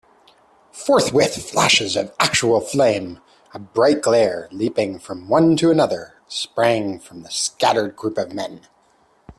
Forthwith flashes of actual flame, a bright glare leaping from one to another, sprang from the scattered group of men.